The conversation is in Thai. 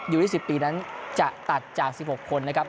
๒๐ปีนั้นจะตัดจาก๑๖คนนะครับ